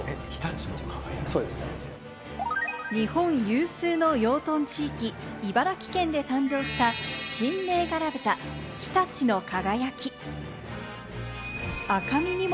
日本有数の養豚地域・茨城県で誕生した新銘柄豚・常陸の輝き。